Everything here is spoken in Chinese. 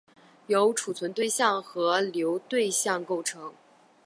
由存储对象和流对象构成。